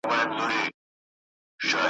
انتظار به مو د بل بهار کولای ,